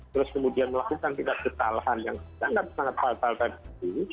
terus kemudian melakukan tindak kesalahan yang sangat sangat fatal tadi